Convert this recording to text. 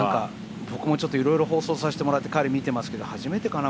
僕もいろいろ放送させてもらって彼を見てますけど初めてかな